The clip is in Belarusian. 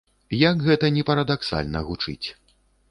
Як гэта ні парадаксальна гучыць.